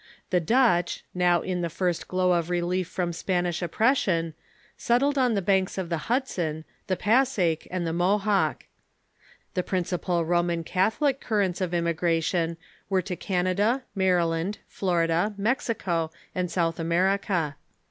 The Dutch, now in the first glow of relief from Spanish oppression, settled on tlie banks of the Hudson, the Passaic, and the Mohawk. The principal Roman Catholic currents of immigration Avere to Canada, Maryland, Florida, Mexico, and South America.